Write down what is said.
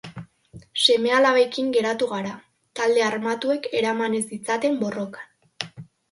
Seme-alabekin geratu gara, talde armatuek eraman ez ditzaten borrokan.